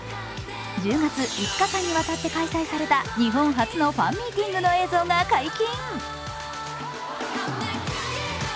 １０月、５日間にわたって開催された日本初のファンミーティングの映像が解禁。